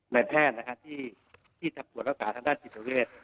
แนวแพทย์นะคะที่จะปวดรักษาทางด้านจิตเศรษฐ์